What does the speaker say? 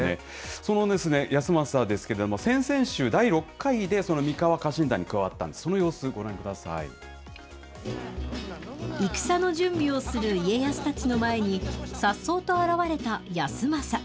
その康政ですけども、先々週、第６回で、三河家臣団に加わった、戦の準備をする家康たちの前に、さっそうと現れた康政。